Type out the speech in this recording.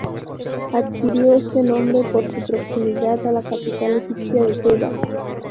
Adquirió este nombre por su proximidad a la capital egipcia de Tebas.